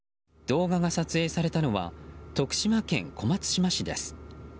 動画が撮影されたのは徳島県小松島市です。